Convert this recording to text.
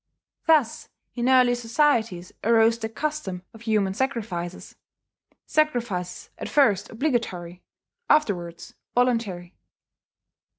Thus in early societies arose the custom of human sacrifices, sacrifices at first obligatory, afterwards voluntary.